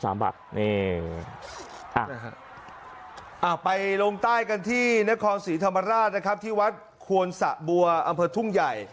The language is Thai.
เอาไปลงใต้กันที่นครศรีธรรมราชนะครับที่วัดควนสะบัวอำเภอทุ่งใหญ่